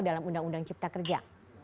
dalam undang undang cipta kerja